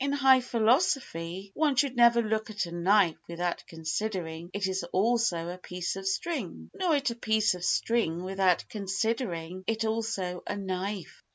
In high philosophy one should never look at a knife without considering it also as a piece of string, nor at a piece of string without considering it also as a knife.